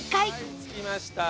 はい着きました。